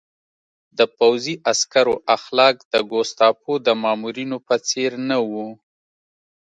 د پوځي عسکرو اخلاق د ګوستاپو د مامورینو په څېر نه وو